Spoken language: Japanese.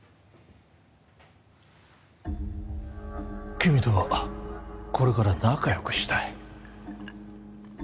君とはこれから仲良くしたい